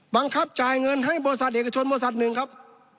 บังคับจ่ายเงินให้บริษัทเอกชนบริษัทหนึ่งครับ